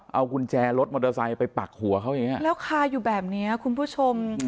เอากุญแจรถมอเตอร์ไซค์ไปปักหัวเขาอย่างเงี้ยแล้วคาอยู่แบบเนี้ยคุณผู้ชม